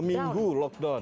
dua minggu lockdown